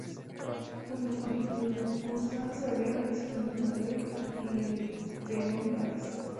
Junto con el Kursaal se abrieron el Salón de Madrid y el Trianón Palace.